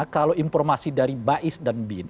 kalau informasi dari bais dan bin